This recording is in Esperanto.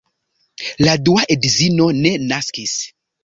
La dua edzino ne naskis.